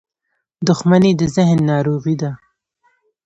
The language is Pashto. • دښمني د ذهن ناروغي ده.